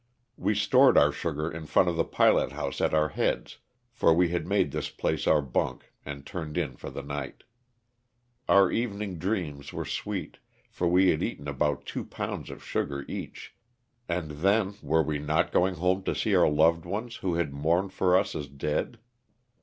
We stored our sugar in front of the pilot house at our heads, for we had made this place our bunk and turned in for the night. Our evening dreams were sweet, for we had eaten about two pounds of sugar each, and then were we not going home to see our loved ones who had mourned for us as dead?